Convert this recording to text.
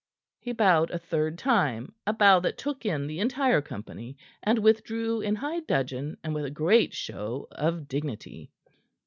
He bowed a third time a bow that took in the entire company and withdrew in high dudgeon and with a great show of dignity.